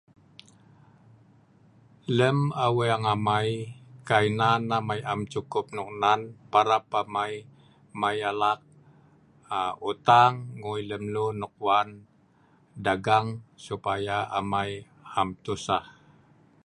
Lem Aweng amai, kai nan amai am cukup noknen, parab amai mai alak utang ngui lemlun nok wan dagang supaya amai am tosah